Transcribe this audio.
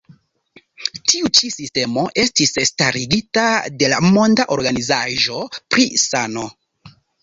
Tiu ĉi sistemo estis starigita de la Monda Organizaĵo pri Sano.